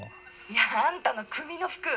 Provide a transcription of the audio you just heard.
「いやあんたの組の服。